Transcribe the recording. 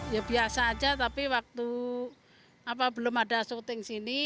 ya biasa aja tapi waktu belum ada syuting sini